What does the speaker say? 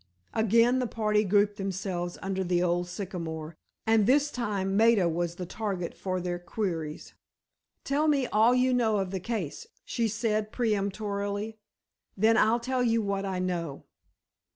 Again the party grouped themselves under the old sycamore, and this time Maida was the target for their queries. "Tell me all you know of the case," she said, peremptorily; "then I'll tell you what I know."